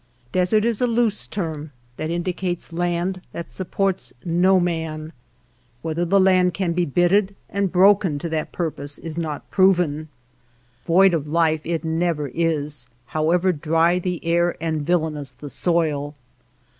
Desert is a loose term to indicate land that supports no man; ^ whether the land can be bitted and broken \ to that purpose is not proven. Void of.^fe ^ it never is, however dry the air and villA ous the soil.